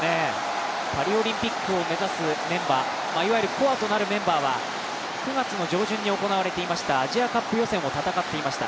パリオリンピックを目指すメンバー、いわゆるコアとなるメンバーは９月の上旬に行われていましたアジア予選を戦っていました。